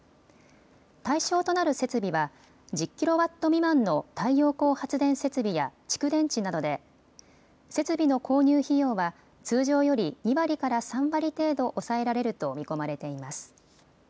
対象となる設備は１０ｋＷ未満の太陽光発電設備や蓄電池などで設備の購入費用は通常より２割から３割程度抑えられると見込まれています。